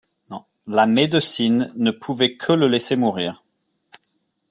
La médecine ne pouvait que le laisser mourir.